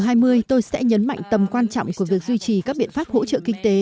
tại hội nghị g hai mươi tôi sẽ nhấn mạnh tầm quan trọng của việc duy trì các biện pháp hỗ trợ kinh tế